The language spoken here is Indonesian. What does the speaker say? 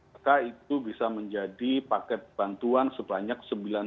maka itu bisa menjadi paket bantuan sebanyak sembilan ratus